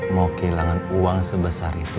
mau kehilangan uang sebesar itu